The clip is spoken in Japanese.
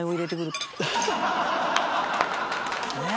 ねえ